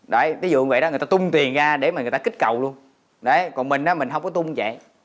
đấy ví dụ vậy đó người ta tung tiền ra để mà người ta kích cầu luôn đấy còn mình đó mình không có tung vậy